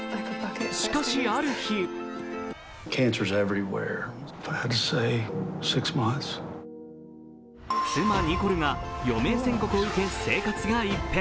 しかし、ある日妻・ニコルが余命宣告を受け生活が一変。